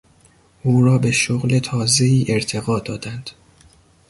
او را به شغل تازهای ارتقا دادند.